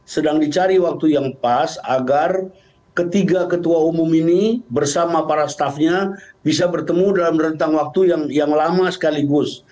sedang dicari waktu yang pas agar ketiga ketua umum ini bersama para staffnya bisa bertemu dalam rentang waktu yang lama sekaligus